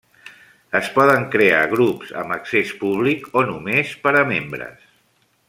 Es poden crear grups amb accés públic o només per a membres.